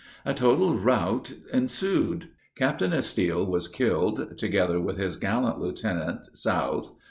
A total route ensued. Captain Estill was killed together with his gallant lieutenant, South.